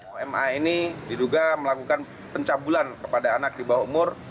oma ini diduga melakukan pencabulan kepada anak di bawah umur